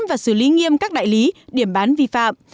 và xử lý nghiêm các đại lý điểm bán vi phạm